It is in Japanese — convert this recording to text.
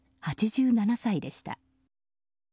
８７歳でした。